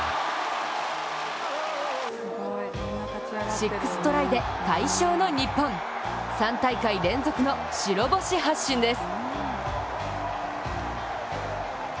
６トライで快勝の日本、３大会連続の白星発進です。